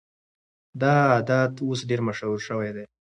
دا عادت اوس ډېر مشهور شوی دی.